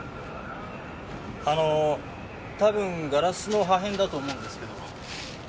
あの多分ガラスの破片だと思うんですけど。